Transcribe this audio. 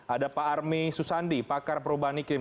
ada pak armi susandi pakar perubahan iklim